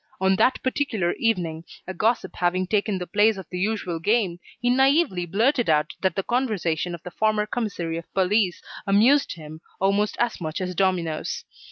On that particular evening, a gossip having taken the place of the usual game, he naively blurted out that the conversation of the former commissary of police amused him almost as much as dominoes.